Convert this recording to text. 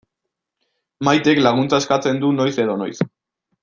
Maitek laguntza eskatzen du noiz edo noiz.